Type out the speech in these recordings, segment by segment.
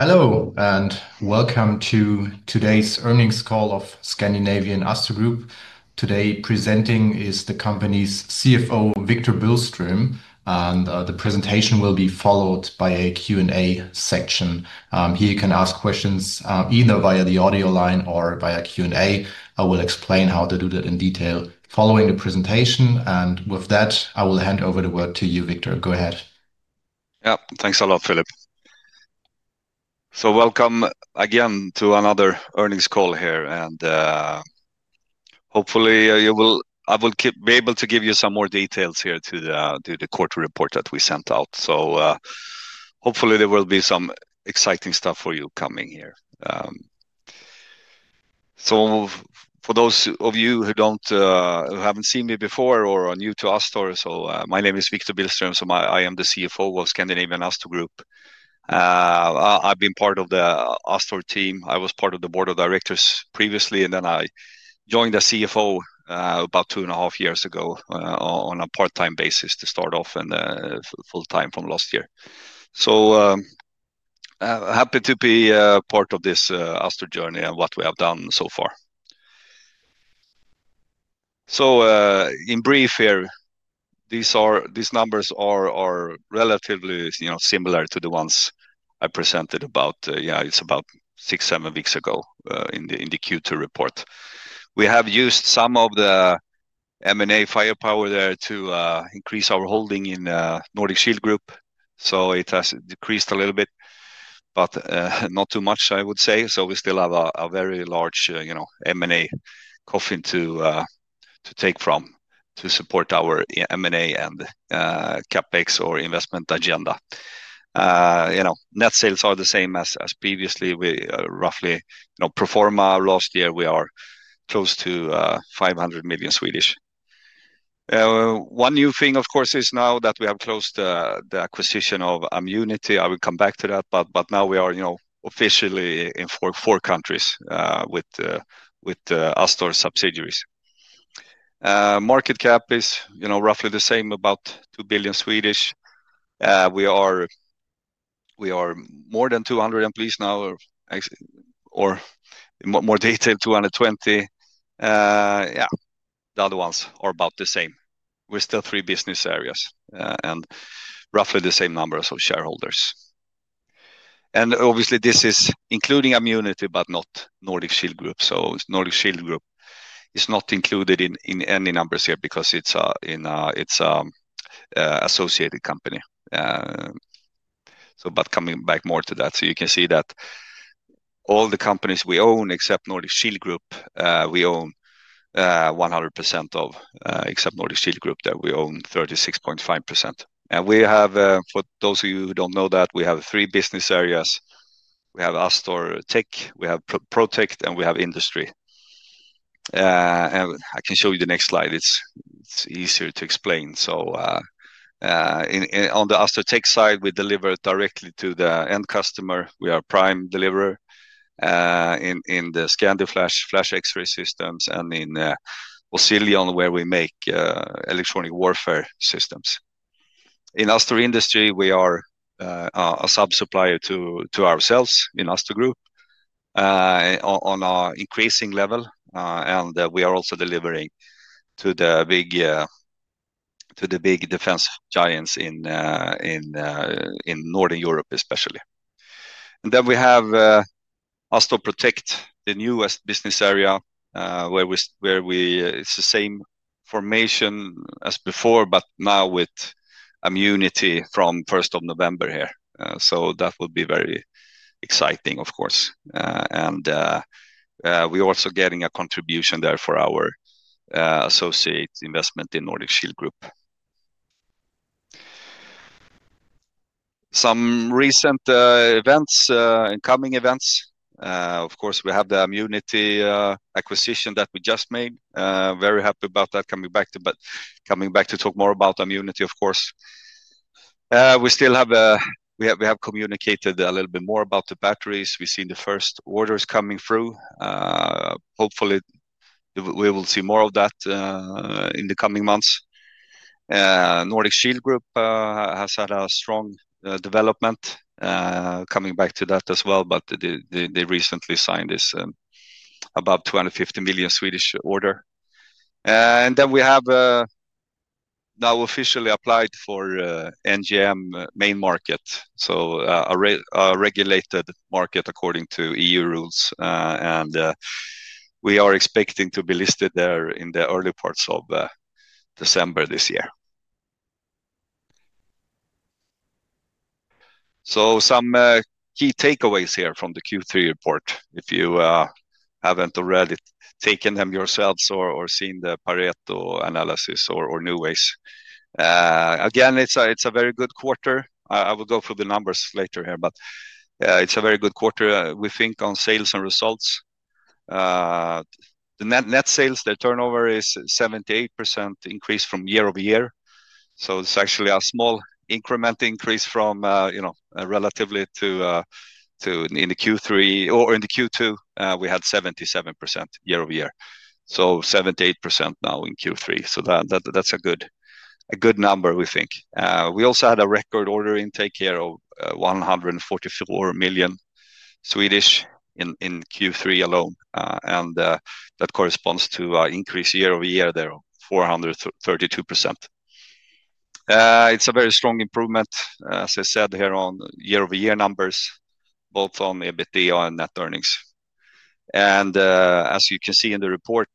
Hello, and welcome to today's earnings call of Scandinavian Astor Group. Today presenting is the company's CFO, Wictor Billström, and the presentation will be followed by a Q&A section. Here you can ask questions either via the audio line or via Q&A. I will explain how to do that in detail following the presentation. With that, I will hand over the word to you, Wictor. Go ahead. Yeah, thanks a lot, Philip. Welcome again to another earnings call here, and hopefully I will be able to give you some more details here to the quarter report that we sent out. Hopefully there will be some exciting stuff for you coming here. For those of you who haven't seen me before or are new to Astor, my name is Wictor Billström. I am the CFO of Scandinavian Astor Group. I've been part of the Astor team. I was part of the Board of Directors previously, and then I joined as CFO about two and a half years ago on a part-time basis to start off and full-time from last year. Happy to be part of this Astor journey and what we have done so far. In brief here, these numbers are relatively similar to the ones I presented about, yeah, it's about six-seven weeks ago in the Q2 report. We have used some of the M&A firepower there to increase our holding in Nordic Shield Group, so it has decreased a little bit, but not too much, I would say. We still have a very large M&A coffin to take from to support our M&A and CapEx or investment agenda. Net sales are the same as previously. We roughly proforma last year, we are close to 500 million. One new thing, of course, is now that we have closed the acquisition of Ammunity. I will come back to that, but now we are officially in four countries with Astor subsidiaries. Market cap is roughly the same, about 2 billion. We are more than 200 employees now, or more detailed, 220. Yeah, the other ones are about the same. We're still three business areas and roughly the same numbers of shareholders. Obviously, this is including Ammunity, but not Nordic Shield Group. Nordic Shield Group is not included in any numbers here because it's an associated company. Coming back more to that, you can see that all the companies we own, except Nordic Shield Group, we own 100% of, except Nordic Shield Group, that we own 36.5%. For those of you who don't know that, we have three business areas. We have Astor Tech, we have Protect, and we have Industry. I can show you the next slide. It's easier to explain. On the Astor Tech side, we deliver directly to the end customer. We are a prime deliverer in the Scandiflash flash X-ray systems and in Oscillion, where we make electronic warfare systems. In Astor Industry, we are a sub-supplier to ourselves in Astor Group on an increasing level, and we are also delivering to the big defense giants in Northern Europe, especially. We have Astor Protect, the newest business area, where it's the same formation as before, but now with Ammunity from 1st of November here. That would be very exciting, of course. We are also getting a contribution there for our associate investment in Nordic Shield Group. Some recent events, incoming events. We have the Ammunity acquisition that we just made. Very happy about that. Coming back to talk more about Ammunity, of course. We still have communicated a little bit more about the batteries. We've seen the first orders coming through. Hopefully, we will see more of that in the coming months. Nordic Shield Group has had a strong development. Coming back to that as well, but they recently signed this about 250 million order. We have now officially applied for NGM main market, a regulated market according to EU rules. We are expecting to be listed there in the early parts of December this year. Some key takeaways here from the Q3 report, if you have not already taken them yourselves or seen the Pareto analysis or NuWays. Again, it is a very good quarter. I will go through the numbers later here, but it is a very good quarter, we think, on sales and results. The net sales, their turnover is a 78% increase from year over year. It's actually a small incremental increase from relatively to in the Q3 or in the Q2, we had 77% year over year. 78% now in Q3. That's a good number, we think. We also had a record order intake here of 144 million in Q3 alone, and that corresponds to an increase year over year there of 432%. It's a very strong improvement, as I said, here on year-over-year numbers, both on EBITDA and net earnings. As you can see in the report,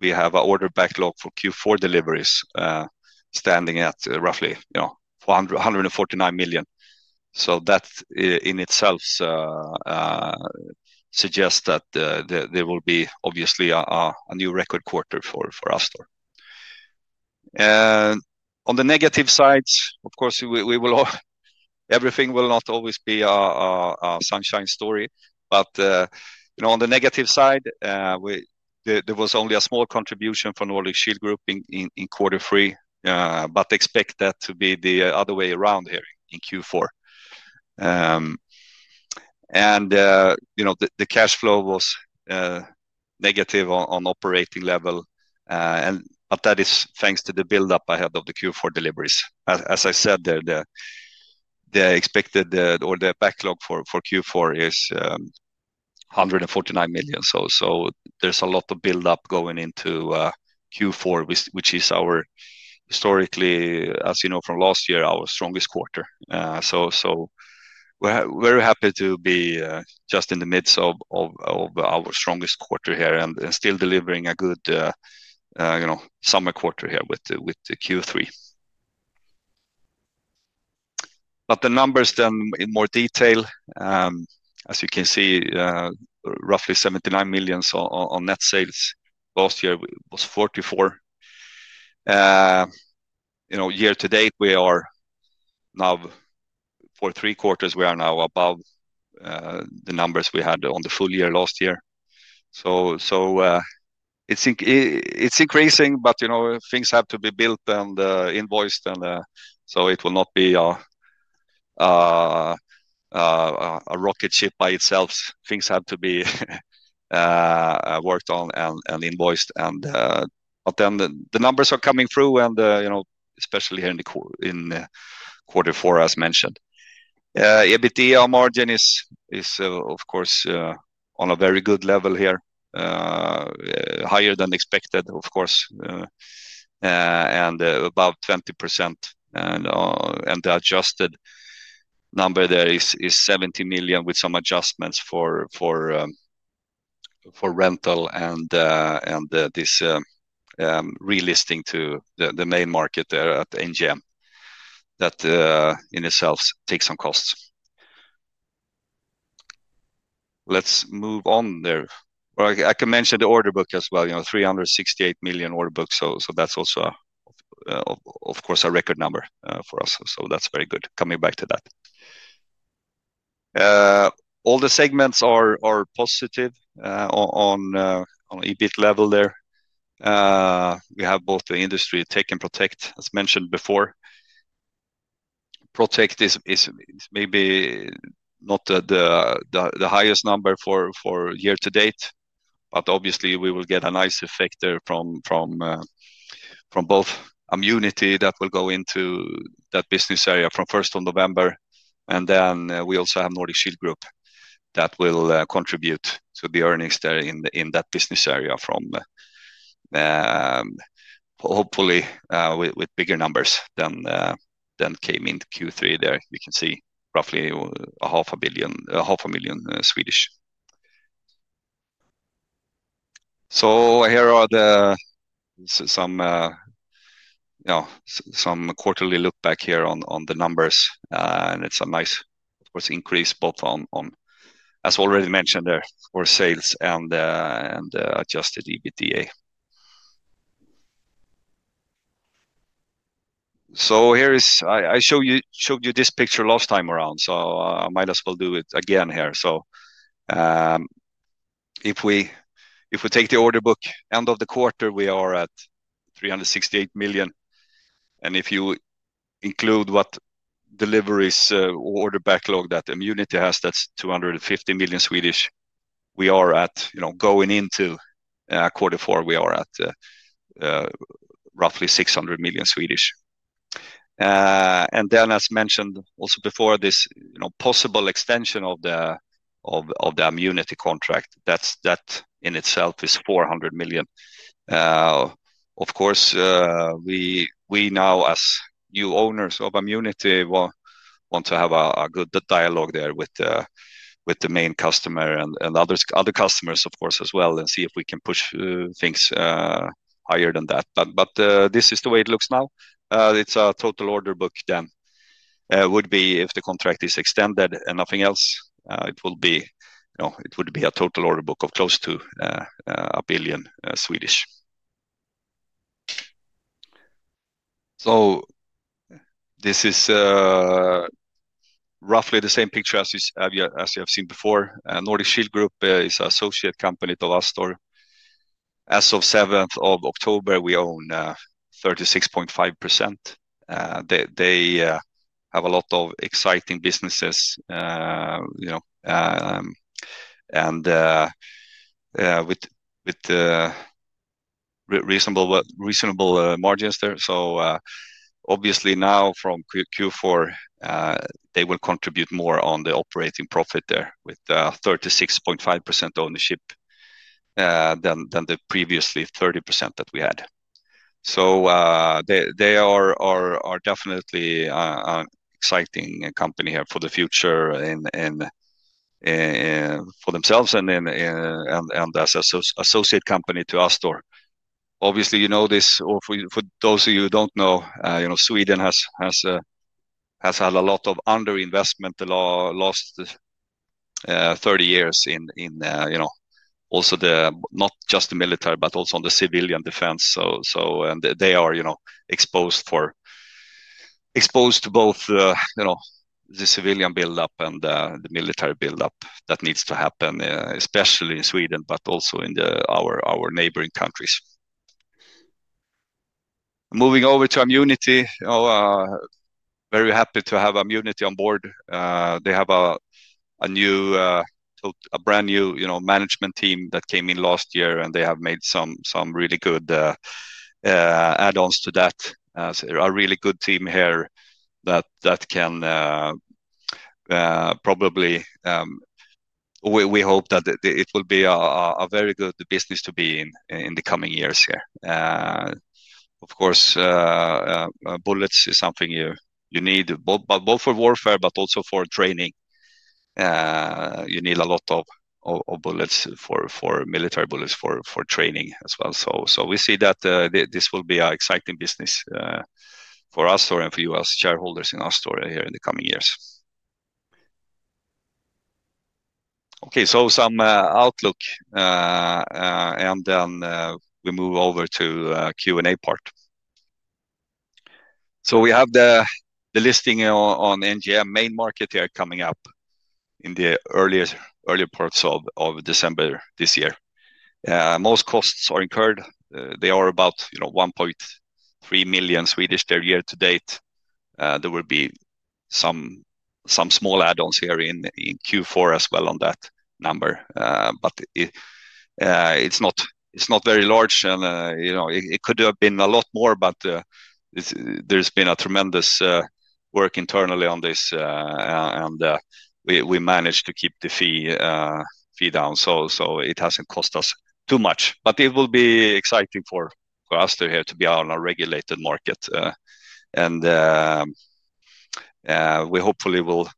we have an order backlog for Q4 deliveries standing at roughly 149 million. That in itself suggests that there will be obviously a new record quarter for Astor. On the negative sides, of course, everything will not always be a sunshine story, but on the negative side, there was only a small contribution for Nordic Shield Group in quarter three, but expect that to be the other way around here in Q4. The cash flow was negative on operating level, but that is thanks to the buildup I had of the Q4 deliveries. As I said, the expected order backlog for Q4 is 149 million. There is a lot of buildup going into Q4, which is our historically, as you know, from last year, our strongest quarter. Very happy to be just in the midst of our strongest quarter here and still delivering a good summer quarter here with Q3. The numbers then in more detail, as you can see, roughly 79 million on net sales. Last year was 44 million. Year to date, we are now for three quarters, we are now above the numbers we had on the full year last year. It is increasing, but things have to be built and invoiced, and it will not be a rocket ship by itself. Things have to be worked on and invoiced. The numbers are coming through, and especially here in quarter four, as mentioned. EBITDA margin is, of course, on a very good level here, higher than expected, of course, and about 20%. The adjusted number there is 70 million with some adjustments for rental and this relisting to the main market there at NGM. That in itself takes some costs. Let's move on there. I can mention the order book as well, 368 million order book. That is also, of course, a record number for us. That is very good. Coming back to that. All the segments are positive on EBIT level there. We have both the Industry, Tech, and Protect, as mentioned before. Protect is maybe not the highest number for year to date, but obviously we will get a nice effect there from both Ammunity that will go into that business area from 1st of November. And then we also have Nordic Shield Group that will contribute to the earnings there in that business area from hopefully with bigger numbers than came in Q3 there. You can see roughly SEK 500,000. So here are some quarterly look back here on the numbers, and it's a nice, of course, increase both on, as already mentioned there, for sales and adjusted EBITDA. I showed you this picture last time around, so I might as well do it again here. If we take the order book end of the quarter, we are at 368 million. If you include what deliveries or order backlog that Ammunity has, that is 250 million. We are at, going into quarter four, roughly SEK 600 million. As mentioned also before, this possible extension of the Ammunity contract, that in itself is 400 million. Of course, we now, as new owners of Ammunity, want to have a good dialogue there with the main customer and other customers, of course, as well, and see if we can push things higher than that. This is the way it looks now. A total order book then would be, if the contract is extended and nothing else, a total order book of close to 1 billion. This is roughly the same picture as you have seen before. Nordic Shield Group is an associate company to Astor. As of 7th of October, we own 36.5%. They have a lot of exciting businesses and with reasonable margins there. Obviously now from Q4, they will contribute more on the operating profit there with 36.5% ownership than the previously 30% that we had. They are definitely an exciting company here for the future for themselves and as an associate company to Astor. Obviously, you know this, or for those of you who do not know, Sweden has had a lot of underinvestment the last 30 years in also not just the military, but also on the civilian defense. They are exposed to both the civilian buildup and the military buildup that needs to happen, especially in Sweden, but also in our neighboring countries. Moving over to Ammunity, very happy to have Ammunity on board. They have a brand new management team that came in last year, and they have made some really good add-ons to that. There are a really good team here that can probably, we hope that it will be a very good business to be in in the coming years here. Of course, bullets is something you need, both for warfare, but also for training. You need a lot of bullets for military bullets for training as well. We see that this will be an exciting business for Astor and for you as shareholders in Astor here in the coming years. Okay, some outlook, and then we move over to Q&A part. We have the listing on NGM main market here coming up in the earlier parts of December this year. Most costs are incurred. They are about 1.3 million there year to date. There will be some small add-ons here in Q4 as well on that number, but it's not very large, and it could have been a lot more, but there's been a tremendous work internally on this, and we managed to keep the fee down, so it hasn't cost us too much. It will be exciting for Astor here to be on a regulated market, and we hopefully will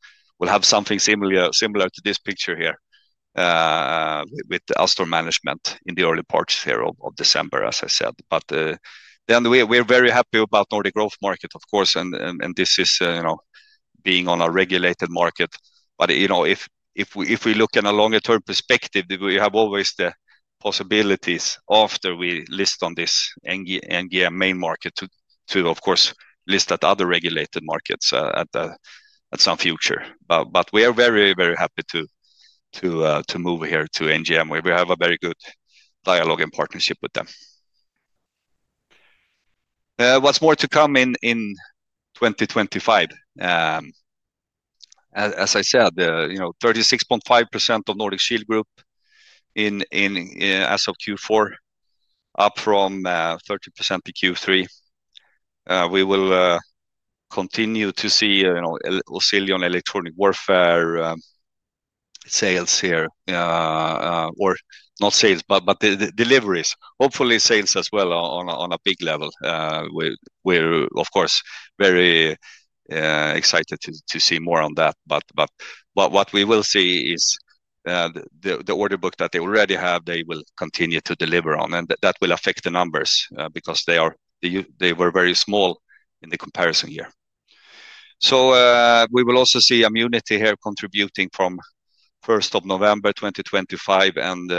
have something similar to this picture here with Astor management in the early parts here of December, as I said. We are very happy about Nordic Growth Market, of course, and this is being on a regulated market. If we look in a longer-term perspective, we have always the possibilities after we list on this NGM main market to, of course, list at other regulated markets at some future. We are very, very happy to move here to NGM where we have a very good dialogue and partnership with them. What's more to come in 2025? As I said, 36.5% of Nordic Shield Group as of Q4, up from 30% in Q3. We will continue to see a little sale on electronic warfare sales here, or not sales, but deliveries. Hopefully, sales as well on a big level. We are, of course, very excited to see more on that. What we will see is the order book that they already have, they will continue to deliver on, and that will affect the numbers because they were very small in the comparison here. We will also see Ammunity here contributing from 1st of November 2025, and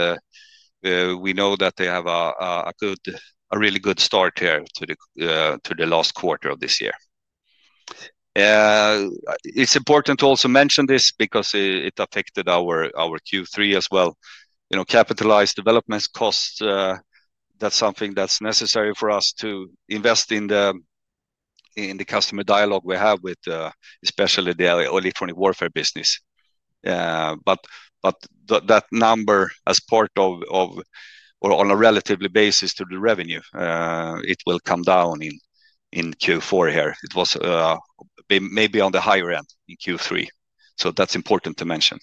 we know that they have a really good start here to the last quarter of this year. It's important to also mention this because it affected our Q3 as well. Capitalized development costs, that's something that's necessary for us to invest in the customer dialogue we have with, especially the electronic warfare business. But that number, as part of or on a relative basis to the revenue, it will come down in Q4 here. It was maybe on the higher end in Q3. That's important to mention.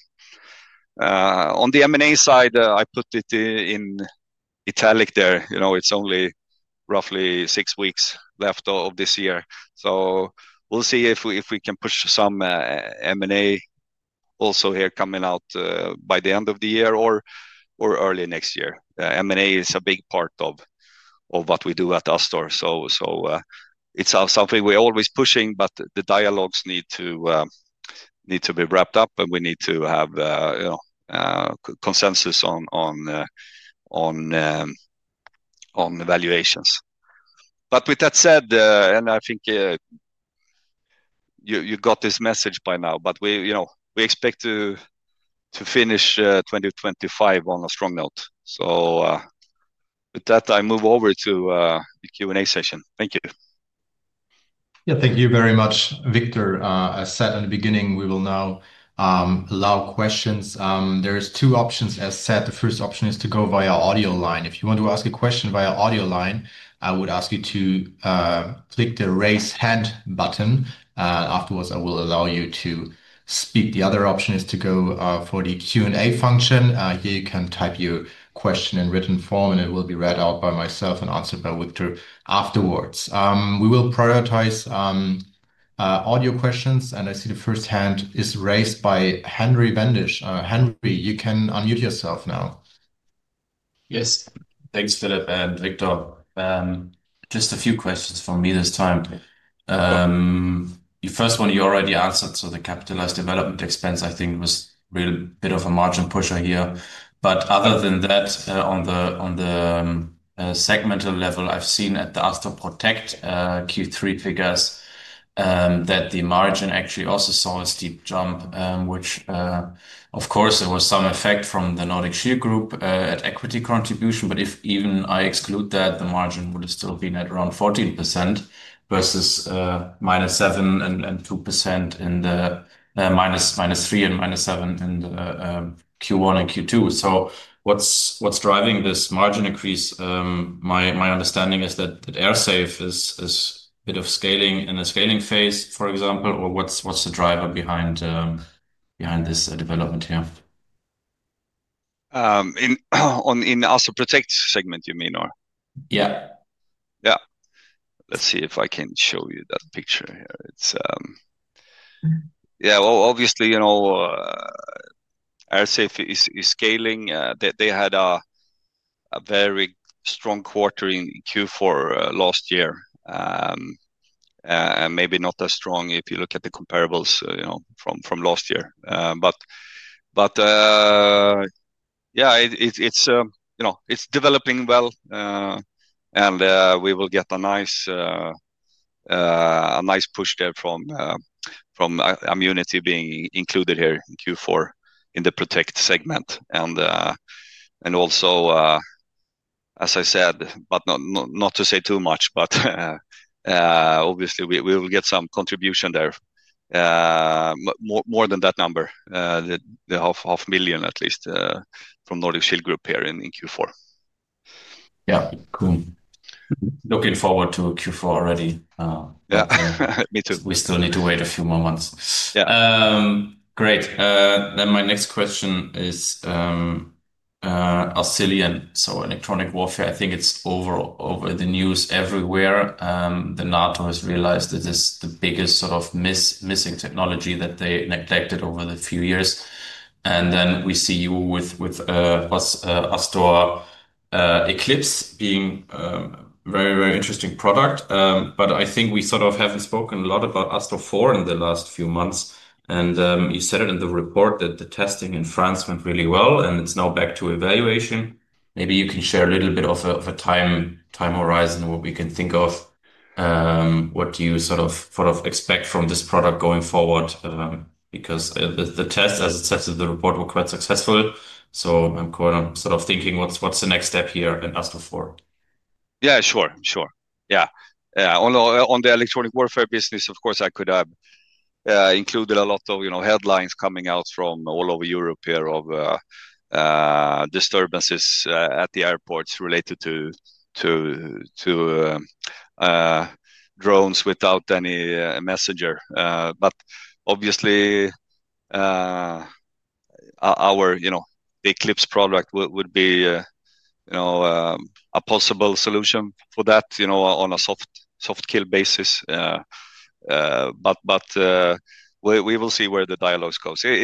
On the M&A side, I put it in italic there. It's only roughly six weeks left of this year. We'll see if we can push some M&A also here coming out by the end of the year or early next year. M&A is a big part of what we do at Astor. It's something we're always pushing, but the dialogues need to be wrapped up, and we need to have consensus on valuations. With that said, and I think you got this message by now, we expect to finish 2025 on a strong note. With that, I move over to the Q&A session. Thank you. Thank you very much, Wictor. As said in the beginning, we will now allow questions. There are two options, as said. The first option is to go via audio line. If you want to ask a question via audio line, I would ask you to click the raise hand button. Afterwards, I will allow you to speak. The other option is to go for the Q&A function. Here you can type your question in written form, and it will be read out by myself and answered by Wictor afterwards. We will prioritize audio questions, and I see the first hand is raised by Henry Wendisch. Henry, you can unmute yourself now. Yes. Thanks, Philip and Wictor. Just a few questions from me this time. The first one you already answered. The capitalized development expense, I think, was a bit of a margin pusher here. Other than that, on the segmental level, I've seen at the Astor Protect Q3 figures that the margin actually also saw a steep jump, which, of course, there was some effect from the Nordic Shield Group at equity contribution. If even I exclude that, the margin would have still been at around 14% versus -7% and 2% in the -3% and -7% in Q1 and Q2. What's driving this margin increase? My understanding is that Airsafe is a bit of scaling in a scaling phase, for example, or what's the driver behind this development here? In Astor Protect segment, you mean, or? Yeah. Yeah. Let's see if I can show you that picture here. Yeah, obviously, Airsafe is scaling. They had a very strong quarter in Q4 last year, maybe not as strong if you look at the comparables from last year. Yeah, it's developing well, and we will get a nice push there from Ammunity being included here in Q4 in the Protect segment. Also, as I said, not to say too much, obviously, we will get some contribution there, more than that number, 500,000 at least from Nordic Shield Group here in Q4. Yeah. Cool. Looking forward to Q4 already. Yeah. Me too. We still need to wait a few more months. Great. My next question is Oscillion. Electronic warfare, I think it's over the news everywhere. NATO has realized that this is the biggest sort of missing technology that they neglected over the few years. We see you with Astor Eclipse being a very, very interesting product. I think we sort of have not spoken a lot about Astor IV in the last few months. You said it in the report that the testing in France went really well, and it is now back to evaluation. Maybe you can share a little bit of a time horizon, what we can think of, what do you sort of expect from this product going forward? The tests, as it says in the report, were quite successful. I am sort of thinking, what is the next step here in Astor IV? Yeah, sure. Sure. Yeah. On the electronic warfare business, of course, I could include a lot of headlines coming out from all over Europe here of disturbances at the airports related to drones without any messenger. Obviously, our Eclipse product would be a possible solution for that on a soft kill basis. We will see where the dialogue goes. It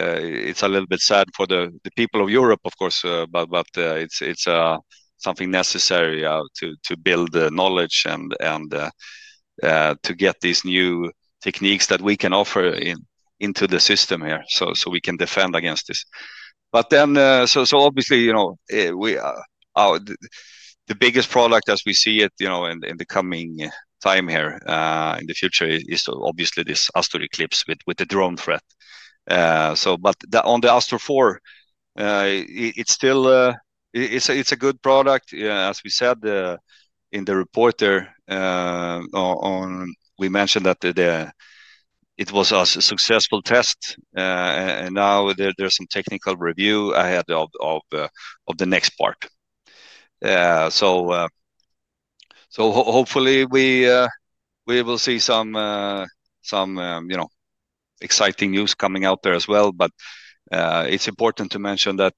is a little bit sad for the people of Europe, of course, but it is something necessary to build knowledge and to get these new techniques that we can offer into the system here so we can defend against this. Obviously, the biggest product as we see it in the coming time here in the future is this Astor Eclipse with the drone threat. On the Astor IV, it is still a good product. As we said in The Reporter, we mentioned that it was a successful test. Now there's some technical review ahead of the next part. Hopefully, we will see some exciting news coming out there as well. It's important to mention that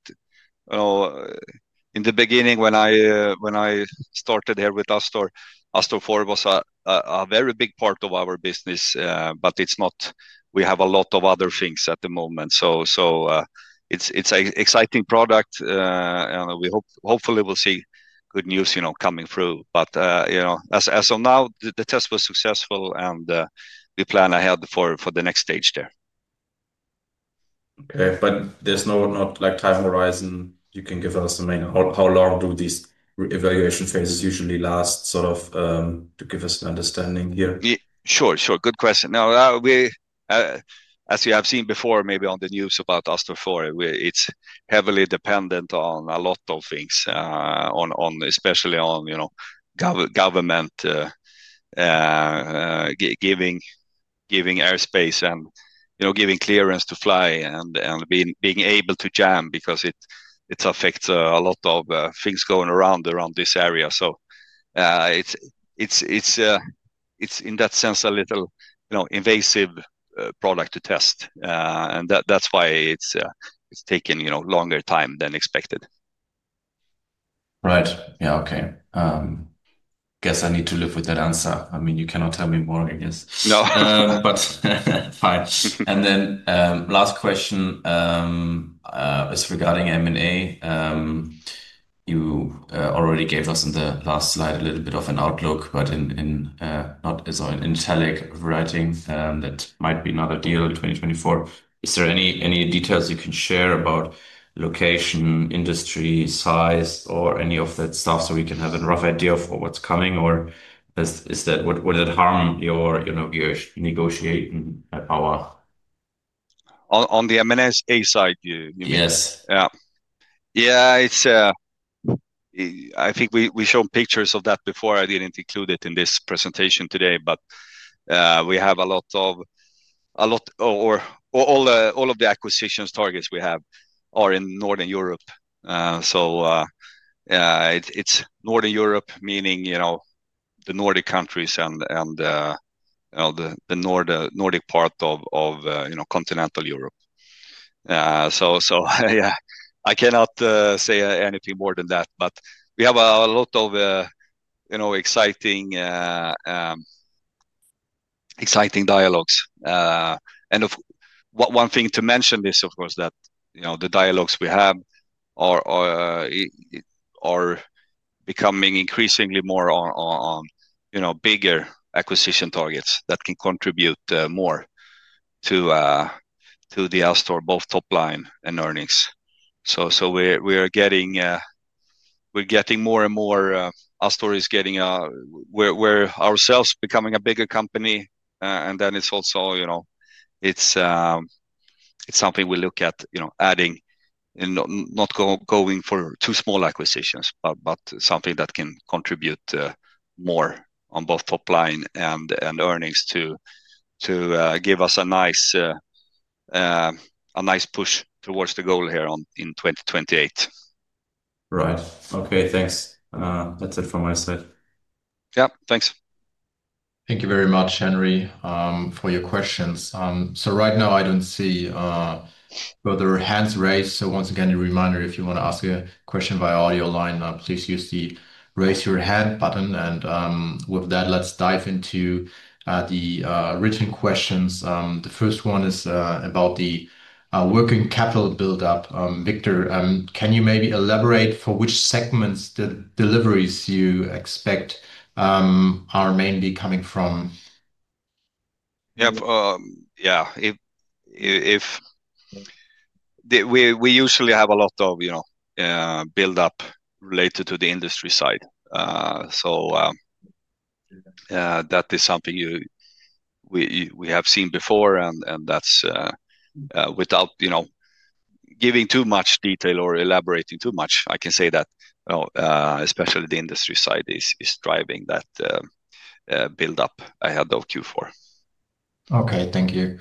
in the beginning, when I started here with Astor, Astor IV was a very big part of our business, but we have a lot of other things at the moment. It's an exciting product, and we hopefully will see good news coming through. As of now, the test was successful, and we plan ahead for the next stage there. Okay. There's not a time horizon you can give us? I mean, how long do these evaluation phases usually last sort of to give us an understanding here? Sure. Good question. Now, as you have seen before, maybe on the news about Astor IV, it's heavily dependent on a lot of things, especially on government giving airspace and giving clearance to fly and being able to jam because it affects a lot of things going around this area. It is, in that sense, a little invasive product to test. That is why it's taken longer time than expected. Right. Yeah. Okay. I guess I need to live with that answer. I mean, you cannot tell me more, I guess. No. Fine. Last question is regarding M&A. You already gave us in the last slide a little bit of an outlook, but in italic writing that might be not ideal in 2024. Is there any details you can share about location, industry, size, or any of that stuff so we can have a rough idea of what's coming? Or will it harm your negotiating power? On the M&A side, you mean? Yes. Yeah. Yeah. I think we showed pictures of that before. I did not include it in this presentation today, but we have a lot of all of the acquisition targets we have are in Northern Europe. It is Northern Europe, meaning the Nordic countries and the Nordic part of continental Europe. Yeah, I cannot say anything more than that, but we have a lot of exciting dialogues. One thing to mention is, of course, that the dialogues we have are becoming increasingly more on bigger acquisition targets that can contribute more to the Astor, both top line and earnings. We are getting more and more Astor is getting where ourselves becoming a bigger company. Then it's also something we look at adding, not going for too small acquisitions, but something that can contribute more on both top line and earnings to give us a nice push towards the goal here in 2028. Right. Okay. Thanks. That's it from my side. Yeah. Thanks. Thank you very much, Henry, for your questions. Right now, I don't see further hands raised. Once again, a reminder, if you want to ask a question via audio line, please use the raise your hand button. With that, let's dive into the written questions. The first one is about the working capital buildup. Wictor, can you maybe elaborate for which segments the deliveries you expect are mainly coming from? Yeah. Yeah. We usually have a lot of buildup related to the industry side. That is something we have seen before, and that's without giving too much detail or elaborating too much. I can say that especially the industry side is driving that buildup ahead of Q4. Okay. Thank you.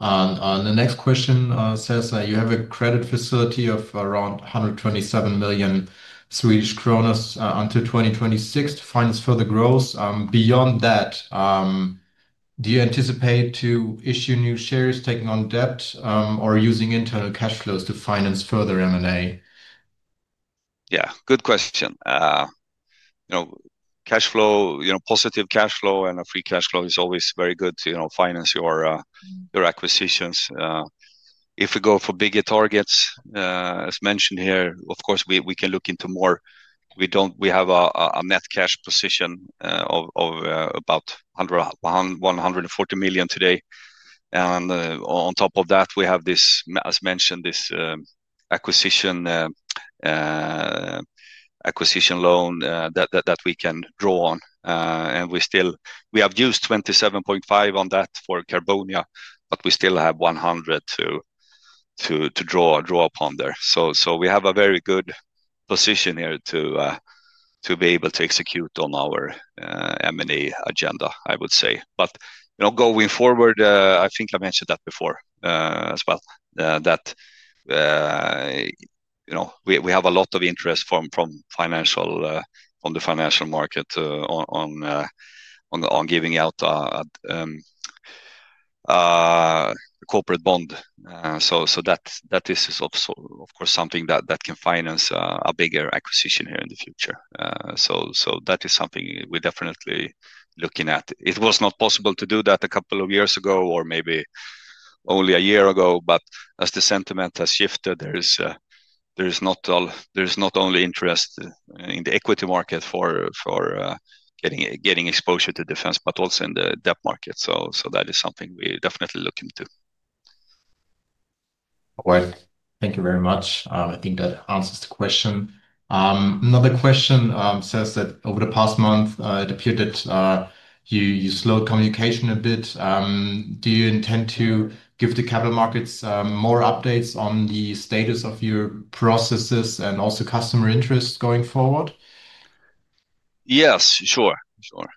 The next question says, "You have a credit facility of around 127 million until 2026 to finance further growth. Beyond that, do you anticipate to issue new shares, taking on debt, or using internal cash flows to finance further M&A?" Yeah. Good question. Positive cash flow and a free cash flow is always very good to finance your acquisitions. If we go for bigger targets, as mentioned here, of course, we can look into more. We have a net cash position of about 140 million today. And on top of that, we have, as mentioned, this acquisition loan that we can draw on. We have used 27.5 million on that for Carbonia, but we still have 100 million to draw upon there. We have a very good position here to be able to execute on our M&A agenda, I would say. Going forward, I think I mentioned that before as well, we have a lot of interest from the financial market on giving out a corporate bond. That is, of course, something that can finance a bigger acquisition here in the future. That is something we're definitely looking at. It was not possible to do that a couple of years ago or maybe only a year ago, but as the sentiment has shifted, there is not only interest in the equity market for getting exposure to defense, but also in the debt market. That is something we're definitely looking to. All right. Thank you very much. I think that answers the question. Another question says that over the past month, it appeared that you slowed communication a bit. Do you intend to give the capital markets more updates on the status of your processes and also customer interest going forward? Yes. Sure. Sure.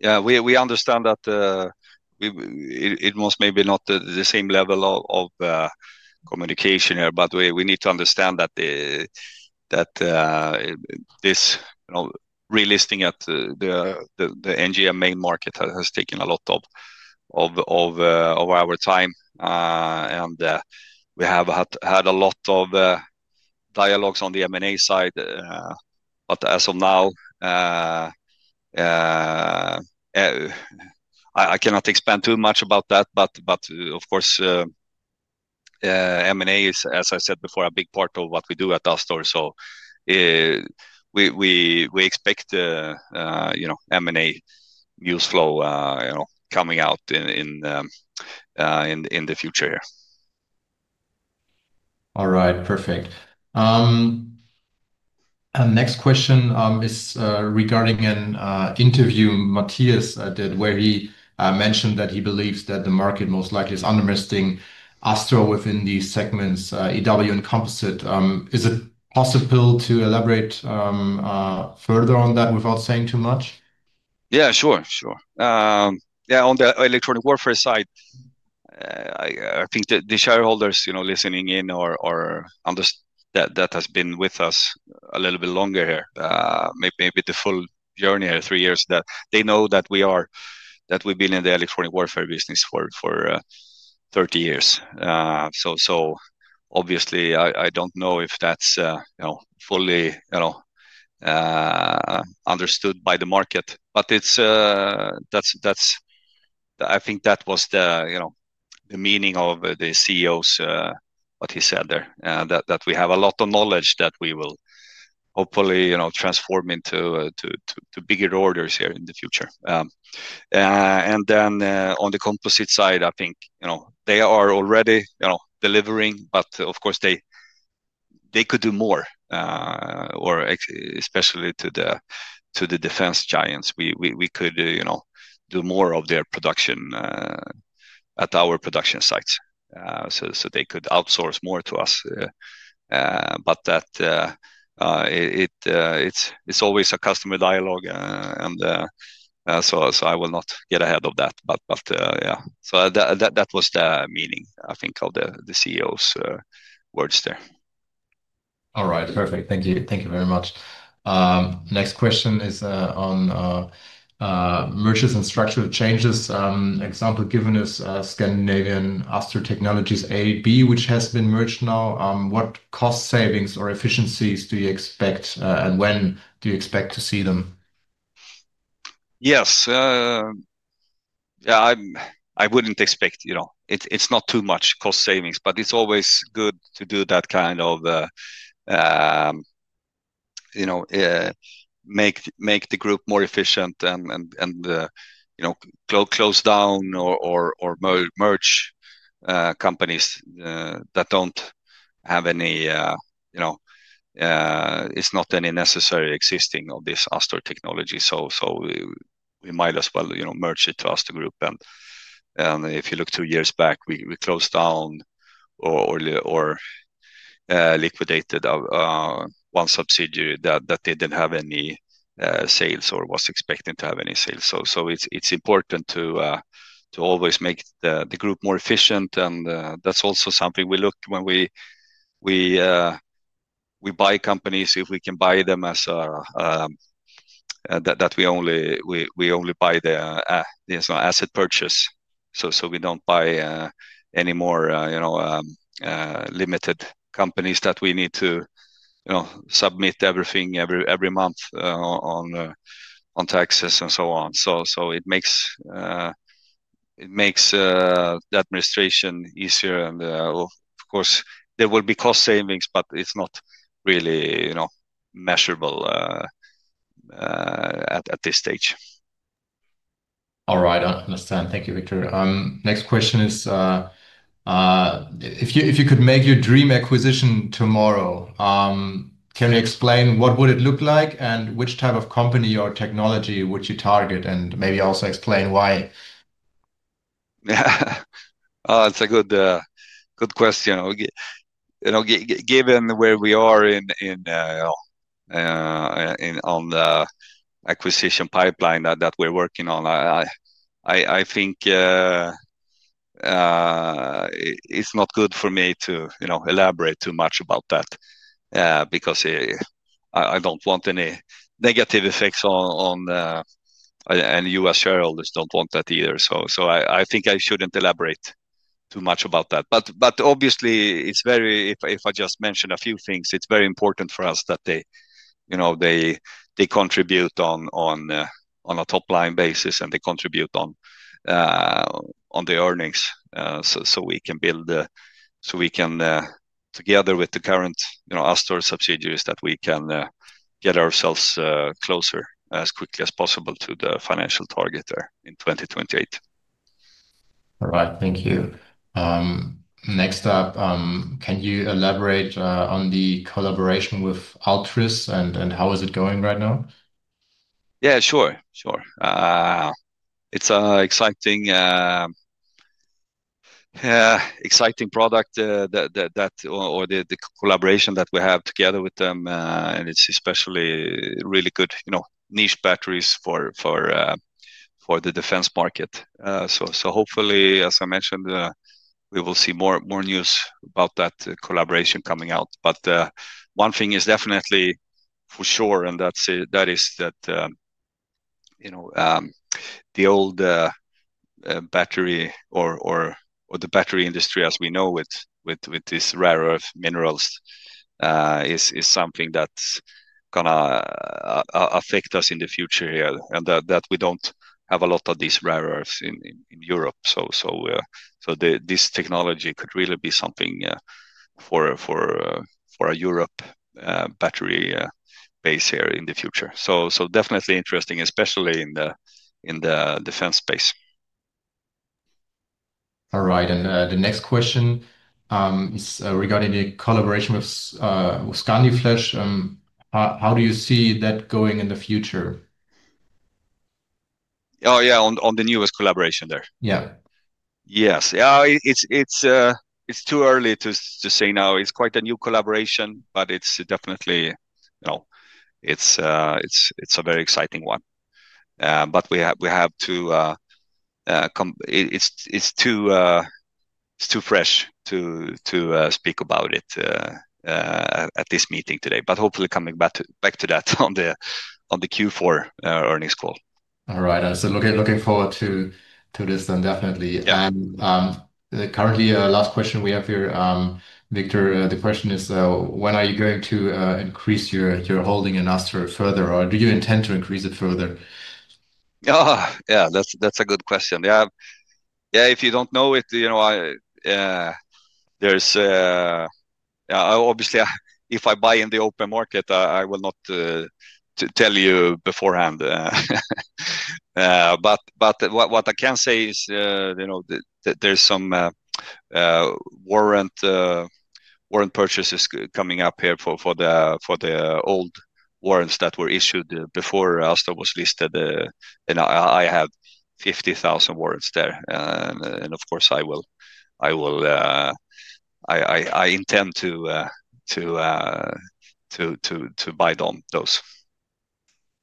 Yeah. We understand that it was maybe not the same level of communication here, but you need to understand that this relisting at the NGM main market has taken a lot of our time. We have had a lot of dialogues on the M&A side. As of now, I cannot expand too much about that. Of course, M&A is, as I said before, a big part of what we do at Astor. We expect M&A news flow coming out in the future here. All right. Perfect. Next question is regarding an interview Matthias did where he mentioned that he believes that the market most likely is underestimating Astor within these segments, EW and composite. Is it possible to elaborate further on that without saying too much? Yeah. Sure. Sure. Yeah. On the electronic warfare side, I think the shareholders listening in or that has been with us a little bit longer here, maybe the full journey here, three years, that they know that we've been in the electronic warfare business for 30 years. So obviously, I don't know if that's fully understood by the market. But I think that was the meaning of the CEO's, what he said there, that we have a lot of knowledge that we will hopefully transform into bigger orders here in the future. On the composite side, I think they are already delivering, but of course, they could do more, especially to the defense giants. We could do more of their production at our production sites so they could outsource more to us. It is always a customer dialogue, and I will not get ahead of that. Yeah. That was the meaning, I think, of the CEO's words there. All right. Perfect. Thank you. Thank you very much. Next question is on mergers and structural changes. Example given is Scandinavian Astor Technologies AB, which has been merged now. What cost savings or efficiencies do you expect, and when do you expect to see them? Yes. Yeah. I wouldn't expect it's not too much cost savings, but it's always good to do that kind of make the group more efficient and close down or merge companies that don't have any, it's not any necessary existing of this Astor Tech. We might as well merge it to Astor Group. If you look two years back, we closed down or liquidated one subsidiary that didn't have any sales or was expecting to have any sales. It's important to always make the group more efficient. That's also something we look when we buy companies, if we can buy them as that we only buy the asset purchase. We don't buy any more limited companies that we need to submit everything every month on taxes and so on. It makes the administration easier. Of course, there will be cost savings, but it's not really measurable at this stage. All right. I understand. Thank you, Wictor. Next question is, if you could make your dream acquisition tomorrow, can you explain what would it look like and which type of company or technology would you target? And maybe also explain why. Yeah. Oh, it's a good question. Given where we are on the acquisition pipeline that we're working on, I think it's not good for me to elaborate too much about that because I don't want any negative effects on the U.S. shareholders. Don't want that either. I think I shouldn't elaborate too much about that. Obviously, if I just mention a few things, it's very important for us that they contribute on a top-line basis and they contribute on the earnings so we can build, so we can, together with the current Astor subsidiaries, get ourselves closer as quickly as possible to the financial target there in 2028. All right. Thank you. Next up, can you elaborate on the collaboration with Altris and how is it going right now? Yeah. Sure. Sure. It's an exciting product or the collaboration that we have together with them. It's especially really good niche batteries for the defense market. Hopefully, as I mentioned, we will see more news about that collaboration coming out. One thing is definitely for sure, and that is that the old battery or the battery industry, as we know it, with these rare earth minerals is something that's going to affect us in the future here and that we do not have a lot of these rare earths in Europe. This technology could really be something for a Europe battery base here in the future. Definitely interesting, especially in the defense space. All right. The next question is regarding the collaboration with Scandiflash. How do you see that going in the future? Oh, yeah, on the newest collaboration there. Yeah. Yes. It's too early to say now. It's quite a new collaboration, but it's definitely a very exciting one. We have to, it's too fresh to speak about it at this meeting today, but hopefully coming back to that on the Q4 earnings call. All right. I'm looking forward to this then, definitely. Currently, last question we have here, Wictor, the question is, when are you going to increase your holding in Astor further, or do you intend to increase it further? Yeah. That's a good question. If you do not know it, there's obviously, if I buy in the open market, I will not tell you beforehand. What I can say is there's some warrant purchases coming up here for the old warrants that were issued before Astor was listed. I have 50,000 warrants there. Of course, I will intend to buy those.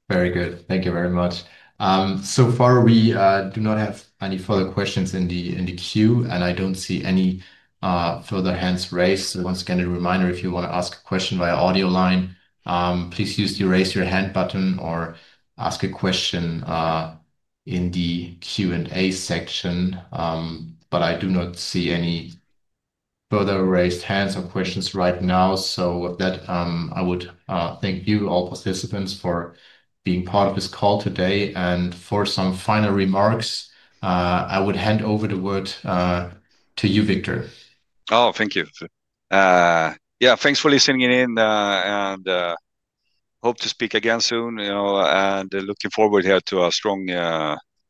Very good. Thank you very much. So far, we do not have any further questions in the queue, and I do not see any further hands raised. Once again, a reminder, if you want to ask a question via audio line, please use the raise your hand button or ask a question in the Q&A section. I do not see any further raised hands or questions right now. With that, I would thank you, all participants, for being part of this call today. For some final remarks, I would hand over the word to you, Wictor. Oh, thank you. Yeah. Thanks for listening in, and hope to speak again soon. Looking forward here to a strong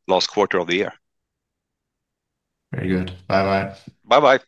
last quarter of the year. Very good. Bye-bye. Bye-bye.